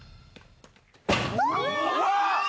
うわ！